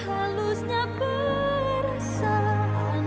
akan dunia agih